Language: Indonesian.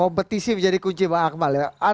kompetisi menjadi kunci bang akmal ya